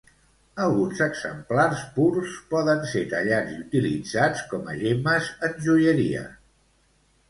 Alguns exemplars purs poden ser tallats i utilitzats com a gemmes en joieria.